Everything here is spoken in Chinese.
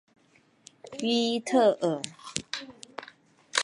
于伊特尔。